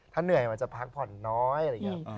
ถ้าเหนื่อยมันจะพักผ่อนน้อยอะไรอย่างนี้